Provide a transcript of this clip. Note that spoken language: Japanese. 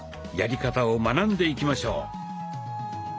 やり方を学んでいきましょう。